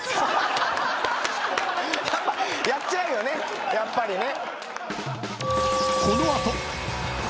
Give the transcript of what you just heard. やっちゃうよねやっぱりね。